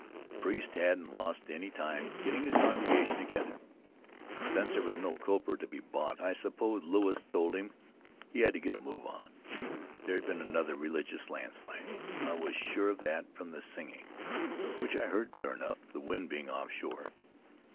The priest hadn't lost any time getting his congregation together. Since there was no copra to be bought, I suppose Louis told him he had to get a move on. There had been another religious landslide. I was sure of that from the singing, which I heard clear enough, the wind being offshore.